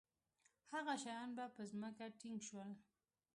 هغه شیان به په ځمکه ټینګ شول.